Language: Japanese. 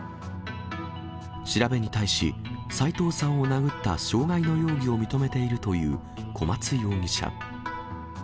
調べに対し、斎藤さんを殴った傷害の容疑を認めているという小松容疑者。